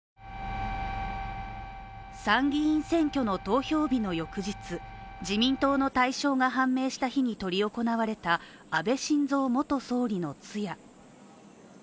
参院選選挙の投票日の翌日、自民党の大勝が判明した日に執り行われた安倍晋三元総理の通夜。